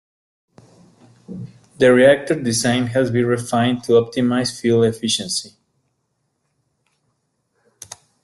The reactor design has been refined to optimize fuel efficiency.